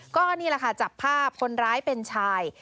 ก็นี่แหละค่ะจับภาพคนร้ายเป็นชาย